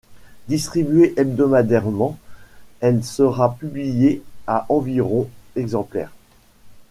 Distribuée hebdomadairement, elle sera publiée à environ exemplaires.